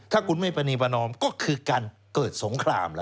ถ้าคุณไม่ประนีประนอมก็คือการเกิดสงครามล่ะ